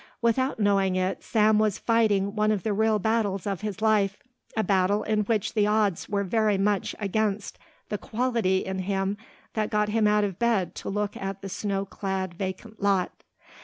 Without knowing it Sam was fighting one of the real battles of his life, a battle in which the odds were very much against the quality in him that got him out of bed to look at the snow clad vacant lot.